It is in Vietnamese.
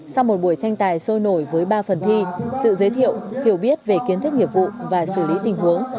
sau một buổi tranh tài sôi nổi với ba phần thi tự giới thiệu hiểu biết về kiến thức nghiệp vụ và xử lý tình huống